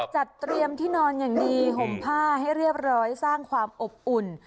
จัดเตรียมที่นอนอย่างดีห่มผ้าให้เรียบร้อยสร้างความอบอุ่น